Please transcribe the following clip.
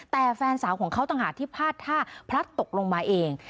แต่แฟนสาวของเขาต่างหากที่พลาดท่าพลัดตกลงมาเอง